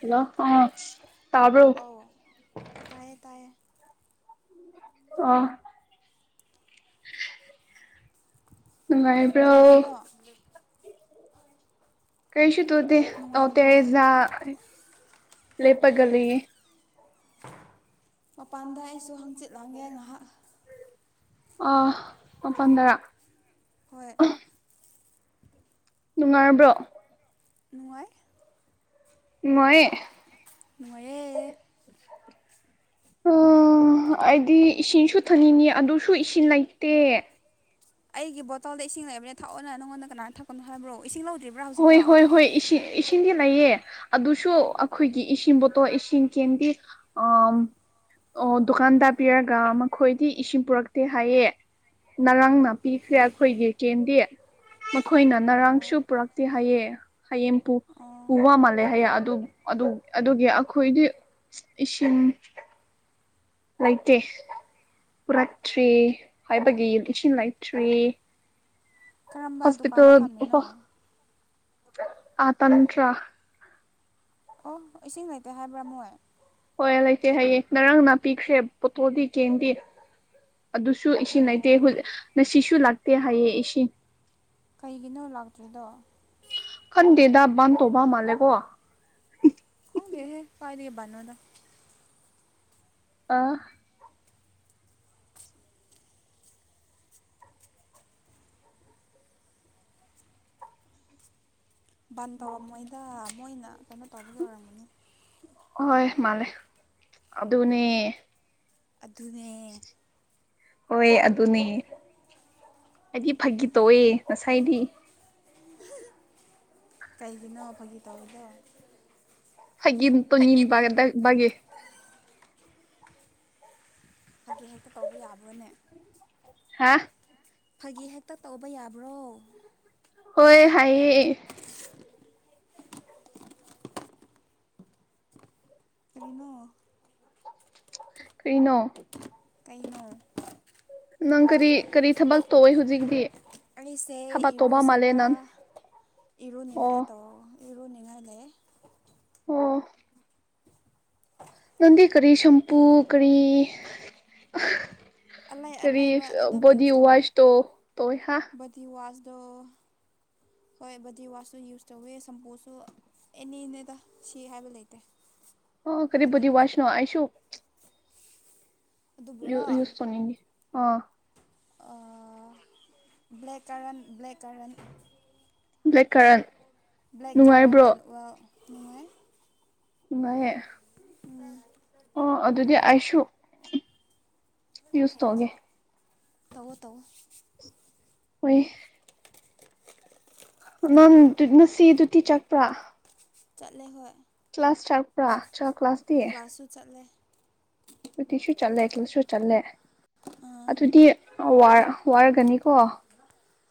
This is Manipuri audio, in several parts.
ꯍꯜꯂꯣ ꯑ ꯇꯥꯕ꯭ꯔꯣ ꯑꯧ ꯇꯥꯏꯌꯦ ꯇꯥꯏꯌꯦ ꯑꯥ ꯅꯨꯡꯉꯥꯏꯕ꯭ꯔꯣ ꯀꯩꯗꯧꯔꯤꯅꯣ ꯀꯔꯤꯁꯨ ꯇꯨꯗꯦ ꯑ ꯅꯨꯡꯉꯥꯏꯔꯤꯌꯦ ꯄꯦꯔꯦꯖꯥ ꯂꯦꯞꯄꯒ ꯂꯩꯌꯦ ꯃꯄꯥꯟꯗ ꯑꯩꯁꯨ ꯍꯪꯆꯤꯠ ꯂꯥꯡꯒꯦ ꯉꯍꯥꯛ ꯑ ꯃꯄꯥꯟꯗꯥꯔ ꯍꯣꯏ ꯅꯨꯡꯉꯥꯏꯕ꯭ꯔꯣ ꯅꯨꯡꯉꯥꯏ ꯅꯨꯡꯉꯥꯏꯌꯦ ꯅꯨꯡꯉꯥꯏꯌꯦ [inaudible] ꯎ ꯑꯩꯗꯤ ꯏꯁꯤꯡꯁꯨ ꯊꯛꯅꯤꯡꯅꯤ ꯑꯗꯨꯁꯨ ꯏꯁꯤꯡ ꯂꯩꯇꯦ ꯑꯩꯒꯤ ꯕꯣꯇꯜꯗ ꯏꯁꯤꯡ ꯂꯩꯕꯅꯦ ꯊꯛꯑꯣꯅ ꯅꯉꯣꯟꯗ ꯀꯅꯥꯅ ꯊꯛꯀꯅꯣ ꯍꯥꯏꯕ꯭ꯔꯣ ꯏꯁꯤꯡ ꯂꯧꯗ꯭ꯔꯤꯕ꯭ꯔꯥ ꯍꯣꯏ ꯍꯧꯖꯤꯛꯀꯣ ꯍꯣꯏ ꯍꯣꯏ ꯏꯁꯤꯡ ꯏꯁꯤꯡꯗꯤ ꯂꯩꯌꯦ ꯑꯗꯨꯁꯨ ꯑꯩꯈꯣꯏꯒꯤ ꯏꯁꯤꯡ ꯄꯣꯠꯇꯣ ꯏꯁꯤꯡ ꯀꯦꯟꯗꯤ ꯑ ꯑꯣ ꯗꯨꯀꯥꯟ ꯇꯥ ꯄꯤꯔꯒ ꯃꯈꯣꯏꯗꯤ ꯏꯁꯤꯡ ꯄꯨꯔꯛꯇꯦ ꯍꯥꯏꯌꯦ ꯉꯔꯥꯡꯅ ꯄꯤꯈ꯭ꯔꯦ ꯑꯩꯈꯣꯏꯒꯤ ꯀꯦꯟꯗꯤ ꯃꯈꯣꯏꯅ ꯑꯣ ꯉꯔꯥꯡꯁꯨ ꯄ꯭ꯔꯛ ꯍꯥꯏꯌꯦ ꯍꯌꯦꯡꯄꯨ ꯑꯣ ꯄꯨꯕ ꯃꯥꯜꯂꯦ ꯍꯌꯦꯡ ꯑꯗꯨ ꯑꯗꯨꯒꯤ ꯑꯩꯈꯣꯏꯗꯤ ꯏꯁꯤꯡ ꯂꯩꯇꯦ ꯎꯔꯛꯇ꯭ꯔꯤ ꯍꯥꯏꯕꯒꯤꯗꯤꯁꯤꯡꯟ ꯂꯩꯇ꯭ꯔꯤ ꯀꯔꯝꯕ ꯗꯨꯀꯥꯟꯗ ꯍꯣꯁꯄꯤꯇꯥꯜ ꯊꯝꯃꯤꯅꯣ ꯑꯥ ꯇꯟꯇ꯭ꯔ ꯑꯣ ꯏꯁꯤꯡ ꯂꯩꯇꯦ ꯍꯥꯏꯕ꯭ꯔꯥ ꯃꯣꯏ ꯍꯣꯏ ꯂꯩꯇꯦ ꯍꯌꯦ ꯅꯔꯥꯡꯅꯥꯄꯤꯈ꯭ꯔꯦ ꯄꯣꯠꯇꯣꯗꯤ ꯀꯦꯡꯗꯤ ꯑꯗꯨꯁꯨ ꯏꯁꯤꯡ ꯅꯇꯦ ꯑꯣ ꯉꯁꯤꯁꯨ ꯂꯥꯛꯇꯦ ꯍꯥꯏꯌꯦ ꯏꯁꯤꯡ ꯀꯩꯒꯤꯅꯣ ꯂꯥꯛꯇ꯭ꯔꯤꯗꯣ ꯈꯟꯗꯦꯗ ꯕꯥꯟ ꯇꯧꯕ ꯃꯥꯜꯂꯦꯀꯣ ꯈꯡꯗꯦꯍꯦ ꯀꯥꯏꯗꯩ ꯕꯟꯅꯣꯗ ꯑꯥ ꯕꯟ ꯇꯧꯔꯝꯃꯣꯏꯗ ꯃꯣꯏꯅ ꯀꯩꯅꯣ ꯇꯧꯕꯒꯤ ꯑꯣꯏꯔꯝꯒꯅꯤ ꯍꯣꯏ ꯃꯥꯂꯦ ꯑꯗꯨꯅꯦ ꯑꯗꯨꯅꯦ ꯍꯣꯏ ꯑꯗꯨꯅꯦ ꯑꯩꯗꯤ ꯐꯒꯤ ꯇꯧꯑꯦ ꯉꯁꯥꯏꯗꯤ ꯀꯩꯒꯤꯅꯣ ꯐꯥꯒꯤ ꯇꯧꯔꯤꯗꯣ ꯐꯥꯒꯤ [unintelligible] ꯐꯥꯒꯤ ꯍꯦꯛꯇ ꯇꯧꯕ ꯌꯥꯕ꯭ꯔꯣꯅꯦ ꯍꯥꯥ ꯐꯥꯒꯤ ꯍꯦꯛꯇ ꯇꯧꯕ ꯌꯥꯕ꯭ꯔꯣ ꯍꯣꯏ ꯍꯥꯏꯌꯦ ꯀꯔꯤꯅꯣ ꯀ꯭ꯔꯤꯅꯣ ꯀꯩꯅꯣ ꯅꯪ ꯀꯔꯤ ꯀꯔꯤ ꯊꯕꯛ ꯇꯧꯋꯦ ꯍꯧꯖꯤꯛꯇꯤ ꯑꯩꯁꯦ ꯊꯕꯛ ꯇꯧꯕ ꯃꯥꯜꯂꯦ ꯏꯔꯨꯁꯦꯔꯥ ꯅꯪ ꯑꯣ ꯏꯔꯨꯅꯤꯡꯉꯥꯏ ꯇꯧ ꯏꯔꯨꯅꯤꯡꯉꯥꯏ ꯂꯩ ꯑꯣ ꯅꯪꯗꯤ ꯀꯔꯤ ꯁꯝꯄꯨ ꯀꯔꯤ ꯑꯂꯩ ꯀꯔꯤ ꯑꯂꯩꯕ ꯑꯗꯨꯝ ꯕꯣꯗꯤ ꯋꯥꯁꯇꯣ [unintelligible] ꯗꯤꯋꯥꯁꯇꯣ ꯍꯣꯏ ꯕꯣꯗꯤ ꯋꯥꯁꯁꯨ ꯌꯨꯁ ꯇꯧꯋꯦ ꯁꯝꯄꯨꯁꯨ ꯑꯦꯅꯤꯅꯦꯗ ꯁꯤ ꯍꯥꯏꯕ ꯂꯩꯇꯦ ꯑꯣ ꯀꯔꯤꯕꯨ ꯑꯗꯨꯝ ꯋꯥꯁ ꯅꯣ ꯑꯩꯁꯨꯨ ꯌꯨ ꯑꯗꯨꯕꯨꯔꯣ ꯌꯨꯁ ꯇꯧꯅꯤꯡꯉꯤ ꯑꯥ blackcurrant blackcurrant blackcurrant blackcurrant and ꯑ꯭ꯋꯦ ꯅꯨꯡꯉꯥꯏ ꯅꯨꯉꯥꯏꯌꯦ ꯑꯣ ꯑꯗꯨꯗꯤ ꯑꯩꯁꯨ ꯌꯨꯁ ꯇꯧꯒꯦ ꯇꯧꯋꯣ ꯇꯧꯋꯣ ꯍꯣꯏ ꯅꯪ ꯉꯁꯤꯗꯨꯗꯤ ꯆꯠꯄ꯭ꯔꯥ ꯆꯠꯂꯦ ꯍꯣꯏ ꯀ꯭ꯂꯥꯁ ꯆꯔꯛꯄ꯭ꯔꯥ ꯆ ꯀ꯭ꯂꯥꯁ ꯇꯤ ꯨ ꯁꯨ ꯆꯠꯂꯦ ꯁꯨꯇꯤꯁꯨ ꯆꯠꯂꯦ ꯈꯂꯁꯨ ꯆꯠꯂꯦ ꯑꯥ ꯑꯗꯨꯗꯤ ꯋꯥꯔꯒꯅꯤꯀꯣ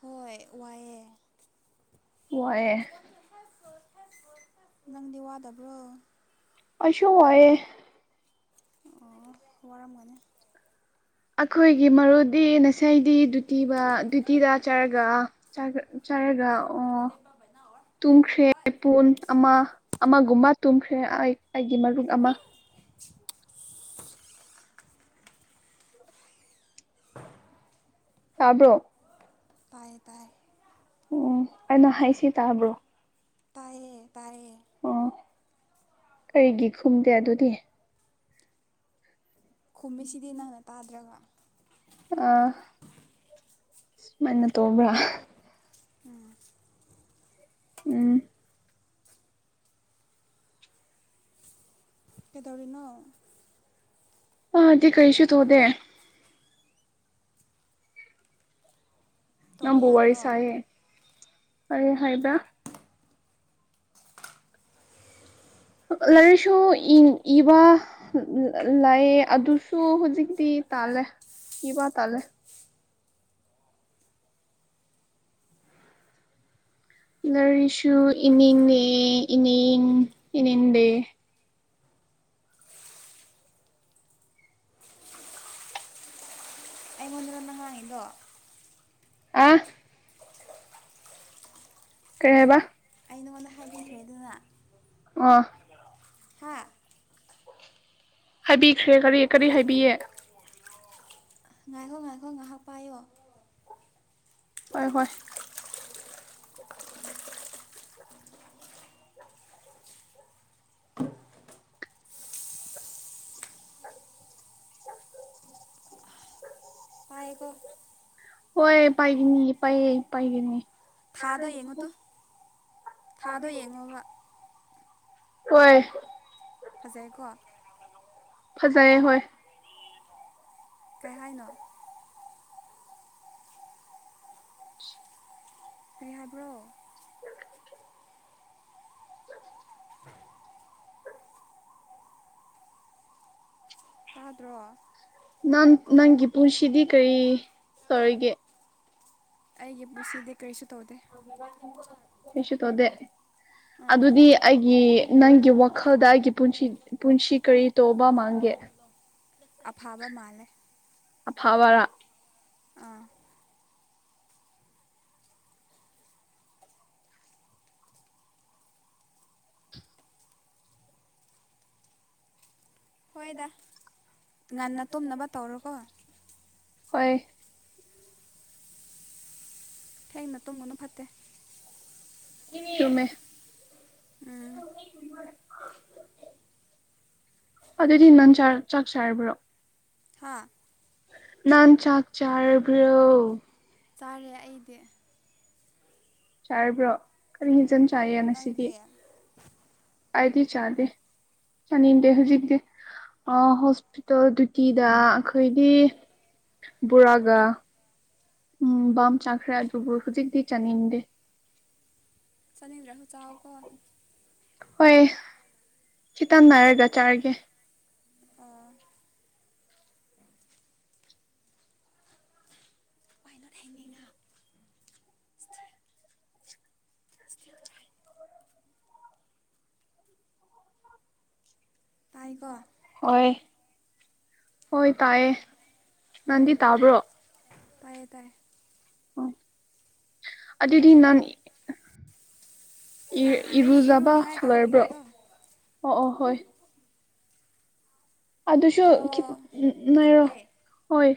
ꯍꯣꯏ ꯋꯥꯏꯑꯦ ꯋꯥꯏꯑꯦ ꯅꯪꯗꯤ ꯋꯥꯗꯕ꯭ꯔꯣ ꯑꯁꯨ ꯋꯥꯏꯌꯦ ꯑꯣ ꯋꯥꯔꯝꯒꯅꯤ ꯑꯩꯈꯣꯏꯒꯤ ꯃꯔꯨꯗꯤ ꯉꯁꯥꯏꯗꯤ ꯗ꯭ꯌꯨꯇꯤꯕ ꯗ꯭ꯌꯨꯇꯤꯗ ꯆꯠꯔꯒ ꯆꯥꯛ ꯆꯔꯒ ꯑꯣ [unintelligible] ꯇꯨꯝꯈ꯭ꯔꯦ ꯃꯤꯄꯨꯟ ꯑꯃ ꯑꯃꯒꯨꯝꯕ ꯇꯨꯝꯈ꯭ꯔꯦ ꯑꯩ ꯑꯩꯒꯤ ꯃꯔꯨꯞ ꯑꯃ ꯇꯥꯕ꯭ꯔꯣ ꯇꯥꯏꯌꯦ ꯇꯥꯏꯌꯦ ꯑꯣ ꯀꯩꯅꯣ ꯍꯥꯏꯁꯤ ꯇꯥꯕ꯭ꯔꯣ ꯇꯥꯏꯌꯦ ꯇꯥꯏꯌꯦ ꯑꯣ ꯀꯔꯤꯒꯤ ꯈꯨꯝꯗꯦ ꯑꯗꯨꯗꯤ ꯈꯨꯝꯃꯤꯁꯤꯗꯤ ꯅꯪꯅ ꯇꯥꯗ꯭ꯔꯒ ꯑ ꯁꯨꯃꯥꯏꯅ ꯇꯧꯕ꯭ꯔꯥ ꯎꯝ ꯎꯝ ꯀꯗꯧꯔꯤꯅꯣ ꯃꯥꯗꯤ ꯀꯔꯤꯁꯨ ꯇꯧꯗꯦ ꯅꯪ ꯇꯧꯕ ꯕꯨ ꯋꯥꯔꯤ ꯌꯥꯗ꯭ꯔꯣ ꯆꯥꯏꯌꯦ ꯀꯔꯤ ꯍꯥꯏꯕ ꯂꯥꯏꯔꯤꯛꯁꯨ ꯏꯕ ꯂꯥꯏꯌꯦ ꯑꯗꯨꯁꯨ ꯍꯧꯖꯤꯛꯇꯤ ꯇꯥꯜꯂꯦ ꯀꯤ ꯋꯥ ꯇꯥꯜꯂꯦ ꯂꯥꯏꯔꯤꯁꯨ ꯏꯅꯤꯡꯉꯦ ꯏꯅꯤꯡ ꯏꯅꯤꯡꯗꯦ ꯑꯩꯉꯣꯟꯗ ꯅꯍꯥꯜꯒꯤꯗꯣ ꯑ ꯀꯩ ꯍꯥꯏꯕ ꯑꯩꯉꯣꯟꯗ ꯍꯥꯏꯕꯤꯈ꯭ꯔꯦ ꯑꯗꯨꯅ ꯑꯣ ꯍꯥꯥ ꯍꯥꯏꯕꯤꯈ꯭ꯔꯦ ꯀꯔꯤ ꯀꯔꯤ ꯍꯥꯏꯕꯤꯌꯦ ꯉꯥꯏꯈꯣ ꯉꯥꯏꯈꯣ ꯉꯥꯏꯍꯥꯛ ꯄꯥꯏꯌꯣ ꯍꯣꯏ ꯍꯣꯏ [unintelligible] ꯄꯥꯏꯌꯦꯀꯣ ꯍꯣꯏ ꯄꯥꯏꯒꯅꯤ ꯄꯥꯏꯌꯦ ꯄꯥꯏꯒꯅꯤ ꯊꯥꯗꯣ ꯌꯦꯡꯉꯨ ꯇꯨ ꯊꯥꯗꯣ ꯌꯦꯡꯉꯣꯕ ꯍꯣꯏ ꯐꯖꯩꯀꯣ ꯐꯖꯩꯌꯦ ꯍꯣꯏ ꯀꯩ ꯍꯥꯏꯅꯣ [unintelligible] ꯀꯩ ꯍꯥꯏꯕ꯭ꯔꯣ ꯇꯥꯗ꯭ꯔꯣ ꯅꯪ ꯅꯪꯒꯤ ꯄꯨꯟꯁꯤꯗꯤ ꯀꯔꯤ ꯇꯧꯔꯤꯒꯦ ꯑꯩꯒꯤ ꯄꯨꯟꯁꯤꯗꯤ ꯀꯔꯤꯁꯨ ꯇꯧꯗꯦ ꯀꯩꯁꯨ ꯇꯧꯗꯦ ꯑꯥ ꯑꯗꯨꯗꯤ ꯑꯩꯒꯤ ꯅꯪꯒꯤ ꯋꯥꯈꯜꯗ ꯑꯩꯒꯤ ꯄꯨꯟꯁꯤ ꯄꯨꯟꯁꯤ ꯀꯔꯤ ꯇꯧꯕꯥ ꯃꯥꯥꯟꯒꯦ ꯑꯐꯥꯕ ꯃꯥꯜꯂꯦ ꯑꯐꯕꯔ ꯑꯥ ꯍꯣꯏꯗ ꯉꯟꯅ ꯇꯨꯝꯅꯕ ꯇꯧꯔꯣꯀꯣ ꯍꯣꯏ ꯊꯦꯡꯅ ꯇꯨꯝꯒꯅꯨ ꯐꯠꯇꯦ [unintelligible] ꯇꯨꯝꯃꯦ ꯎꯝ ꯑꯗꯨꯗꯤ ꯅꯪ ꯆꯥ ꯆꯥꯛ ꯆꯥꯔꯕ꯭ꯔꯣ ꯍꯥꯥ ꯅꯪ ꯆꯥꯛ ꯆꯥꯔꯕ꯭ꯔꯣ ꯆꯥꯔꯦ ꯑꯩꯗꯤ ꯆꯥꯔꯕ꯭ꯔꯣ ꯀꯔꯤ ꯍꯦꯟꯖꯥꯡ ꯆꯥꯏꯌꯦ ꯉꯁꯤꯗꯤ ꯅꯪꯗꯤ ꯑꯩꯗꯤ ꯆꯥꯗꯦ ꯆꯥꯅꯤꯡꯗꯦ ꯍꯧꯖꯤꯛꯇꯤ ꯑ ꯍꯣꯁꯄꯤꯇꯥꯜ ꯗ꯭ꯌꯨꯇꯤꯗ ꯑꯩꯈꯣꯏꯒꯤ ꯕꯣꯔꯥꯒ ꯎꯝ ꯕꯥꯝ ꯆꯥꯈ꯭ꯔꯦ ꯑꯗꯨꯕꯨ ꯍꯧꯖꯤꯛꯇꯤ ꯆꯥꯅꯤꯡꯗꯦ ꯆꯥꯅꯤꯡꯗ꯭ꯔꯁꯨ ꯆꯥꯎ ꯀꯣ ꯍꯣꯏ ꯈꯤꯇꯪ ꯂꯩꯔꯒ ꯆꯥꯔꯒꯦ ꯑꯣ ꯋꯥꯏ ꯅꯣꯠ ꯍꯦꯡꯒꯤꯡ ꯑꯞ ꯁ꯭ꯇꯤꯜ ꯁ꯭ꯇꯤꯜ ꯔꯥꯏꯠ ꯇꯥꯏꯀꯣ ꯍꯣꯏ ꯍꯣꯏ ꯇꯥꯏꯑꯦ ꯎꯝ ꯅꯪꯗꯤ ꯇꯥꯕ꯭ꯔꯣ ꯇꯥꯏꯌꯦ ꯇꯥꯏ ꯑꯣ ꯑꯗꯨꯗꯤ ꯅꯪ ꯏ ꯑꯩ ꯏꯔꯨꯖꯕ ꯏꯔꯨꯅꯤꯡꯉꯥꯏ ꯂꯣꯏꯕ꯭ꯔꯣ ꯇꯧꯈꯤꯒꯦꯀꯣ ꯑꯣ ꯑꯣ ꯍꯣꯏ ꯑꯗꯨꯁꯨ ꯑꯗꯣ ꯈꯤ ꯅꯥꯏꯔꯣ ꯍꯦ ꯍꯣꯏ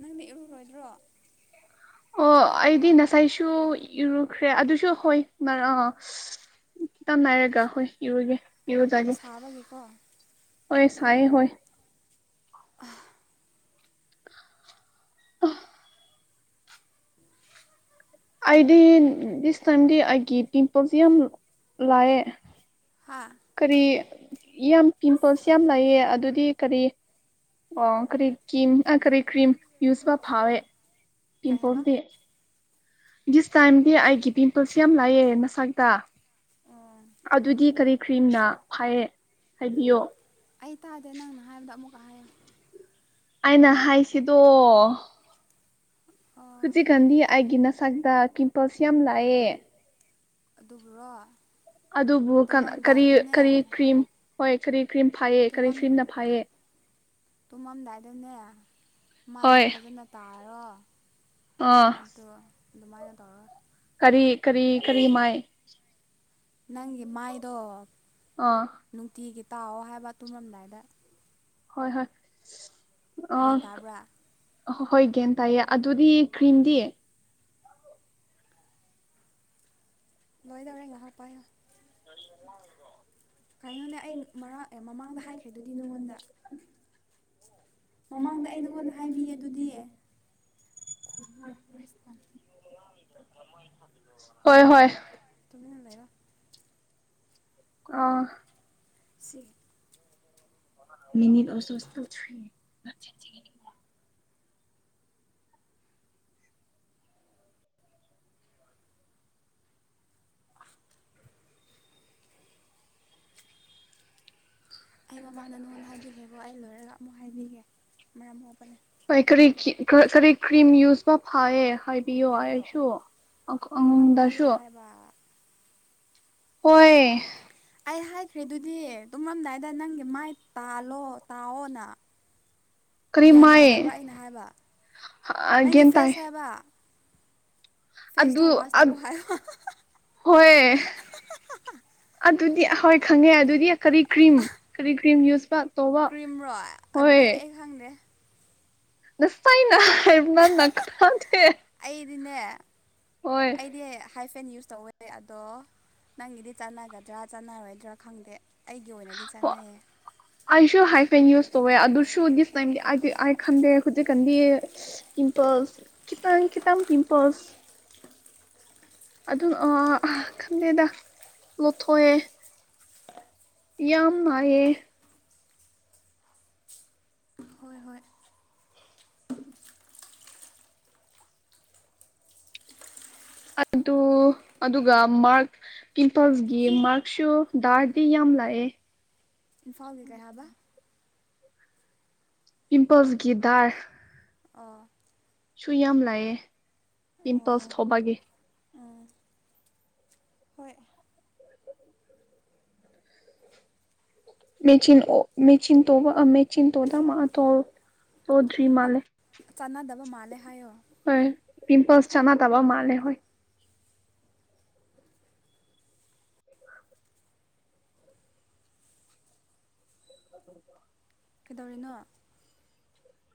ꯅꯪꯗꯤ ꯏꯔꯨꯔꯣꯏꯗ꯭ꯔꯣ ꯑꯣ ꯑꯩꯗꯤ ꯉꯁꯥꯏꯁꯨ ꯏꯔꯨꯈ꯭ꯔꯦ ꯑꯗꯨꯁꯨ ꯍꯣꯏ [unintelligible] ꯈꯤꯇꯪ ꯅꯥꯏꯔꯒꯥ ꯍꯣꯏ ꯏꯔꯨꯒꯦ ꯏꯔꯨꯖꯒꯦ ꯁꯥꯕꯒꯤꯀꯣ ꯍꯣꯏ ꯁꯥꯏꯌꯦ ꯍꯣꯏ ꯑ ꯑꯩꯗꯤ ꯗꯤꯁ ꯇꯥꯏꯝꯗꯤ ꯑꯩꯒꯤ ꯄꯤꯝꯄꯜꯖꯤ ꯌꯥꯝ ꯂꯥꯛꯑꯦ ꯍꯥꯥ ꯀꯔꯤ ꯌꯥꯝ ꯄꯤꯝꯄꯜꯁ ꯌꯥꯝ ꯂꯩꯌꯦ ꯑꯗꯨꯗꯤ ꯀꯔꯤ ꯑꯣ ꯀꯔꯤ ꯀꯤꯝ ꯑ ꯀꯔꯤ ꯀ꯭ꯔꯤꯝ ꯌꯨꯁꯕ ꯐꯩꯌꯦ ꯀꯩ ꯍꯥꯏꯕ ꯄꯤꯝꯄꯜꯁꯗꯤ ꯗꯤꯁ ꯇꯥꯏꯝꯗꯤ ꯑꯩꯒꯤ ꯄꯤꯝꯄꯜꯁꯦ ꯌꯥꯝ ꯂꯥꯛꯑꯦ ꯃꯁꯛꯇ ꯑꯣ ꯑꯗꯨꯗꯤ ꯀꯔꯤ ꯀ꯭ꯔꯤꯝꯅ ꯐꯥꯏꯌꯦ ꯍꯥꯏꯕꯤꯌꯣ ꯑꯩ ꯇꯥꯗꯦ ꯅꯪꯅ ꯍꯥꯏꯕꯗꯣ ꯑꯃꯨꯛꯀ ꯍꯥꯏꯌꯨ ꯑꯩꯅ ꯍꯥꯏꯁꯤꯗꯣ ꯑꯣ ꯍꯧꯖꯤꯛꯀꯥꯟꯗꯤ ꯑꯩꯒꯤ ꯅꯁꯥꯛꯇ ꯀꯤꯝꯄꯜꯁꯦ ꯌꯥꯝ ꯂꯥꯛꯑꯦ ꯑꯗꯨꯕꯨꯔꯣ ꯑꯗꯨꯕꯨ ꯀ ꯀꯔꯤ ꯇꯨꯝꯂꯝꯗꯥꯏꯗꯅꯦ ꯀꯔꯤ ꯀ꯭ꯔꯤꯝ ꯍꯣꯏ ꯀꯔꯤ ꯀ꯭ꯔꯤꯝ ꯐꯥꯏꯌꯦ ꯀꯔꯤ ꯇꯨꯝꯃꯝ ꯀ꯭ꯔꯤꯝꯅ ꯐꯥꯏꯌꯦ ꯇꯨꯝꯃꯝꯗꯥꯏꯗꯅꯦ ꯃꯥꯏꯗꯣ ꯍꯣꯏ ꯐꯖꯅ ꯇꯥꯔꯣ ꯑꯥ ꯑꯣꯗꯣ ꯑꯗꯨꯃꯥꯏꯅ ꯇꯧꯔꯒ ꯀꯔꯤ ꯀꯔꯤ ꯀꯔꯤ ꯃꯥꯏ ꯅꯪꯒꯤ ꯃꯥꯏꯗꯣ ꯑꯥ ꯅꯨꯡꯇꯤꯒꯤ ꯇꯥꯛꯑꯣ ꯍꯥꯏꯕ ꯇꯨꯝꯔꯝꯗꯥꯏꯗ ꯍꯣꯏ ꯍꯣꯏ ꯑ ꯒ꯭ꯌꯥꯟ ꯇꯥꯕ꯭ꯔꯥ ꯑ ꯍꯣꯏ ꯍꯣꯏ ꯒ꯭ꯌꯥꯟ ꯇꯥꯏꯌꯦ ꯑꯗꯨꯗꯤ ꯀ꯭ꯔꯤꯝꯗꯤ ꯂꯣꯏꯗꯧꯔꯦꯥ ꯉꯥꯍꯥꯛ ꯄꯥꯏꯌꯣ ꯀꯅꯣꯅꯦ ꯑꯩ ꯃꯔꯥꯛ ꯑꯦ ꯃꯃꯥꯡꯗ ꯍꯥꯏꯈ꯭ꯔꯤꯗꯨꯗꯤ ꯅꯪꯉꯣꯟꯗ ꯃꯃꯥꯡꯗ ꯑꯩ ꯅꯪꯉꯣꯟꯗ ꯍꯥꯏꯕꯤꯌꯦ ꯑꯗꯨꯗꯤ ꯍꯣꯏ ꯍꯣꯏ [unintelligible] ꯇꯨꯃꯤꯟꯅ ꯂꯩꯌꯣ ꯑꯥ ꯁꯤ ꯃꯤꯅꯤꯠ ꯃꯤꯅꯤꯗ ꯑꯃꯁꯨ also still three not changing anymore ꯑꯩ ꯃꯃꯥꯡꯗ ꯅꯉꯣꯟꯗ ꯍꯥꯏꯕꯤꯈꯔꯣꯀꯣ ꯑꯩ ꯂꯣꯏꯔꯒ ꯑꯃꯨꯛ ꯍꯥꯏꯕꯤꯒꯦ ꯃꯔꯝ ꯃꯧꯛꯄꯅꯤ ꯍꯣꯏ ꯀꯔꯤꯀꯤ ꯀꯔꯤ ꯀ꯭ꯔꯤꯝ ꯌꯨꯁꯄ ꯐꯥꯏꯌꯦ ꯍꯥꯏ ꯄꯕꯤꯌꯣ ꯍꯥꯏꯔꯁꯎ ꯑꯩꯁꯨꯗꯁꯨ ꯑꯗꯨꯒꯕ ꯍꯣꯏ ꯑꯩ ꯍꯥꯏꯈ꯭ꯔꯦ ꯑꯗꯨꯗꯤ ꯇꯨꯝꯉꯝꯗꯥꯏꯗ ꯅꯪꯒꯤ ꯃꯥꯏ ꯇꯥꯜꯂꯣ ꯇꯥꯑꯣꯅ ꯀꯔꯤ ꯒ꯭ꯌꯥꯟ ꯃꯥꯏ ꯇꯥꯗꯕ꯭ꯔꯥ ꯑꯩꯅ ꯍꯥꯏꯕ ꯅꯪꯒꯤ ꯒ꯭ꯌꯥꯟ ꯇꯥꯏ ꯐꯦꯁ ꯍꯥꯏꯕ ꯐꯦꯁꯇꯣ ꯑꯗꯨ ꯋꯥꯁ ꯑꯗ ꯇꯧ ꯍꯥꯏꯕ ꯍꯣꯏ ꯑꯗꯨꯗꯤ ꯑꯍꯣꯏ ꯈꯪꯉꯦ ꯑꯗꯨꯗꯤ ꯀꯔꯤ ꯀ꯭ꯔꯤꯝ ꯀꯔꯤ ꯀ꯭ꯔꯤꯝ ꯌꯨꯁꯄ ꯀ꯭ꯔꯤꯝꯔꯣ ꯑꯗꯨꯗꯤ ꯑꯩ ꯈꯪꯗꯦ ꯅꯥꯁꯥꯅ ꯍꯥꯏꯕ ꯅꯪ ꯑꯩꯗꯤꯅꯦ ꯑꯩꯗꯤ ꯍꯥꯏ ꯐꯦꯟ ꯌꯨꯁ ꯇꯧꯋꯦ ꯑꯗꯣ ꯅꯪꯒꯤꯗꯤ ꯆꯥꯅꯒꯗ꯭ꯔꯥ ꯆꯥꯟꯔꯣꯏꯗ꯭ꯔꯥ ꯈꯪꯗꯦ ꯑꯩꯒꯤ ꯑꯣꯏꯅꯗꯤ ꯆꯠꯅꯩꯌꯦ ꯑꯩꯁꯨ ꯍꯥꯏꯐꯦꯟ ꯌꯨꯁ ꯇꯧꯋꯦ ꯑꯗꯨꯁꯨ ꯗꯤꯁ ꯇꯥꯏꯝꯗꯤ ꯑꯩꯗꯤ ꯑꯩ ꯈꯟꯗꯦ ꯍꯧꯖꯤꯛꯀꯥꯟꯗꯤ ꯄꯤꯝꯄꯜꯁ ꯀꯈꯤꯇꯪ ꯀꯈꯤꯇꯪ ꯄꯤꯝꯄꯜꯁ ꯑꯗꯝ ꯑ ꯈꯟꯗꯦꯗ ꯂꯧꯊꯣꯛꯑꯦ ꯌꯥꯝ ꯅꯥꯏꯌꯦ ꯍꯣꯏ ꯍꯣꯏ ꯎꯝ ꯑꯗꯨ ꯑꯗꯨꯒ ꯃꯥꯔꯛ ꯄꯤꯝꯄꯜꯁꯒꯤ ꯃꯥꯔꯛꯁꯨ ꯗꯥꯔꯗꯤ ꯌꯥꯝ ꯂꯥꯛꯑꯦ ꯏꯝꯐꯥꯜꯒꯤ ꯀꯌꯥꯕ ꯄꯤꯝꯄꯜꯁꯒꯤ ꯗꯥꯔ ꯑ ꯁꯨ ꯌꯥꯝ ꯂꯩꯑꯦ ꯑꯣ ꯕꯤꯟꯊꯣꯁ ꯊꯧꯕꯒꯤ ꯎꯝ ꯍꯣꯏ ꯃꯦꯆꯤꯟ ꯃꯦꯆꯤꯟ [inaudible] ꯃꯦꯆꯤꯟ ꯇꯣꯗ ꯃꯥ ꯇꯧ ꯇꯧꯗ꯭ꯔꯤ ꯄꯥꯛ ꯃꯥꯜꯂꯦ ꯆꯥꯟꯅꯗꯕ ꯃꯥꯜꯂꯦ ꯍꯥꯏꯌꯣ ꯍꯣꯏ ꯄꯤꯝꯄꯜꯁ ꯆꯥꯅꯗꯕ ꯃꯥꯜꯂꯦ ꯍꯣꯏ [inaudible] ꯀꯩꯗꯧꯔꯤꯅꯣ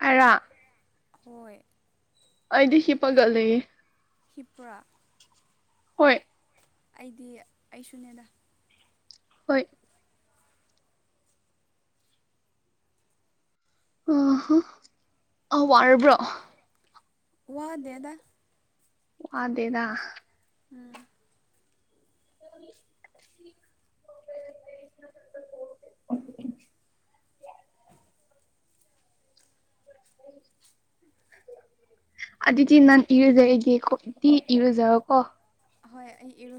ꯑꯩꯔꯥ ꯍꯣꯏ ꯑꯩꯗꯤ ꯍꯤꯞꯄꯒ ꯂꯩꯌꯦ ꯍꯤꯞꯃ꯭ꯔ ꯍꯣꯏ ꯑꯩꯗꯤ ꯑꯩꯁꯨꯅꯦꯗ ꯍꯣꯏ ꯑ ꯍ ꯋꯥꯔꯕ꯭ꯔꯣ ꯋꯥ ꯗꯦꯗꯥ ꯋꯥꯗꯦꯗ ꯎꯝ [inaudible] [inaudible] [inaudible] ꯑꯗꯨꯤꯗꯤ ꯅꯥꯟ ꯏꯔꯖ ꯏꯗꯤꯦ ꯀꯣꯗꯤ ꯏꯔꯖꯣ ꯀꯣ ꯍꯣꯏ ꯑꯩ ꯏꯔꯨ